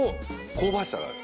香ばしさがある。